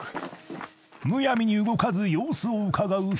［むやみに動かず様子をうかがう平子］